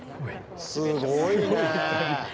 すごいね。